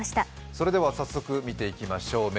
それでは早速、見ていきましょう。